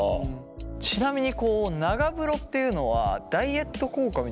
ちなみにこう長風呂っていうのはダイエット効果みたいなものってあるんですか？